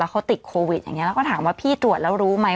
เขาติดโควิดอย่างนี้แล้วก็ถามว่าพี่ตรวจแล้วรู้ไหม